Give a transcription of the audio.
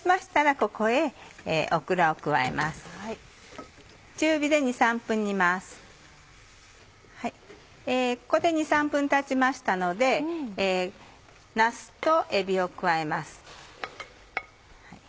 ここで２３分たちましたのでなすとえびを加えます。